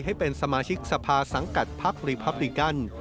ให้เป็นสมาชิกสภาสังกัดพักรีพับริกัน